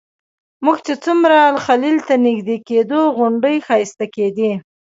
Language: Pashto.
موږ چې څومره الخلیل ته نږدې کېدو غونډۍ ښایسته کېدې.